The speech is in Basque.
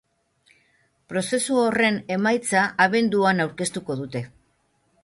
Prozesu horren emaitza abenduan aurkeztuko dute.